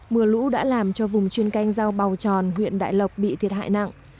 mưa lũ đã làm cho vùng chuyên canh rau bầu tròn huyện đại lộc bị thiệt hại nặng